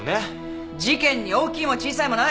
事件に大きいも小さいもない！